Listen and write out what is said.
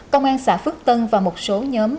công an xã phước tân và một số nhóm